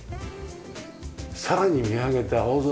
さらに見上げて青空。